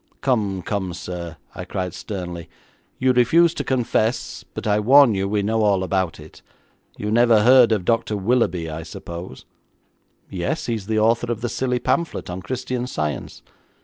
'Come, come, sir,' I cried sternly, 'you refuse to confess, but I warn you we know all about it. You never heard of Dr. Willoughby, I suppose?' 'Yes, he is the author of the silly pamphlet on Christian Science.'